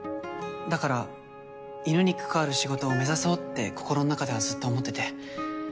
だから犬に関わる仕事を目指そうって心の中ではずっと思ってて。